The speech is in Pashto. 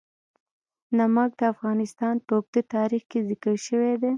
نمک د افغانستان په اوږده تاریخ کې ذکر شوی دی.